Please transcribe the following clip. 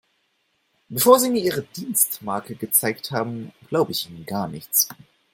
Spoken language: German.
Bevor Sie mir Ihre Dienstmarke gezeigt haben, glaube ich Ihnen gar nichts.